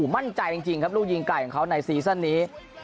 มั่นใจจริงครับลูกยิงไกลของเขาในซีซั่นนี้